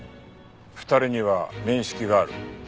２人には面識がある。